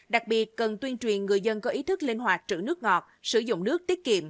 đặc biệt cần tuyên truyền người dân có ý thức linh hoạt trữ nước ngọt sử dụng nước tiết kiệm